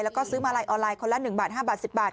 แล้วก็ซื้อมาลัยออนไลน์คนละ๑บาท๕บาท๑๐บาท